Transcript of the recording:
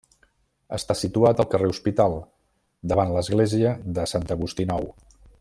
Està situat al carrer Hospital, davant l'Església de Sant Agustí Nou.